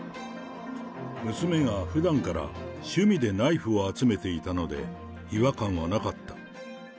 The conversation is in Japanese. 娘がふだんから趣味でナイフを集めていたので違和感はなかった。